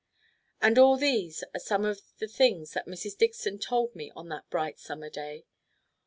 And all these are some of the things that Mrs. Dixon told me on that bright Summer day.